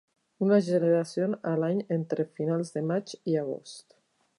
Una generació a l'any entre finals de maig i agost.